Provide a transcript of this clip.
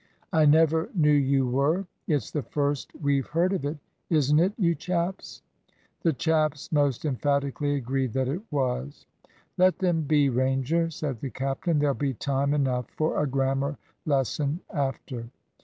"I never knew you were. It's the first we've heard of it; isn't it, you chaps?" The chaps most emphatically agreed that it was. "Let them be, Ranger," said the captain. "There'll be time enough for a grammar lesson after."